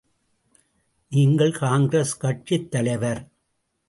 நீங்கள் காங்கிரஸ் கட்சித் தலைவர்.